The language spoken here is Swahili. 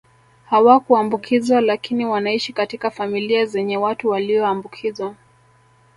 Hawakuambukizwa lakini wanaishi katika familia zenye watu waliombukizwa